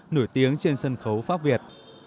nổi tiếng trên sân khấu pháp việt